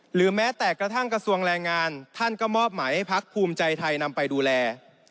หรือแม้แต่กระทั่งกระทรวงแรงงานท่านก็มอบหมายให้พักภูมิใจไทยนำไปดูแล